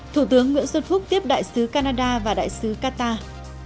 thủ tướng nguyễn xuân phúc tiếp đại sứ canada và đại sứ qatar